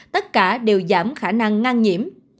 tất cả đều giảm khả năng ngăn nhiễm